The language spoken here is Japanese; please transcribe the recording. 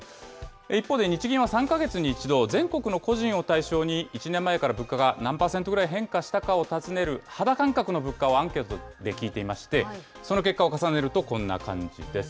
一方で日銀は３か月に１度、全国の個人を対象に、１年前から物価が何％ぐらい変化したかを尋ねる、肌感覚の物価をアンケートで聞いていまして、その結果を重ねると、こんな感じです。